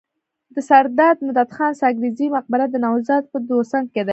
د سرداد مددخان ساکزي مقبره د نوزاد په دوسنګ کي ده.